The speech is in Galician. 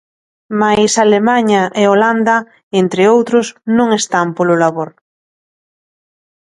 Mais Alemaña e Holanda, entre outros, non están polo labor.